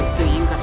itu ingin kasih